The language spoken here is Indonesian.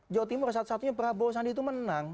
jawa timur satu satunya prabowo sandi itu menang